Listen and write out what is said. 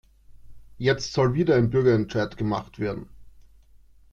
Jetzt soll wieder ein Bürgerentscheid gemacht werden.